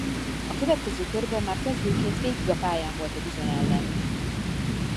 A következő körben már kezdőként végig a pályán volt a Dijon ellen.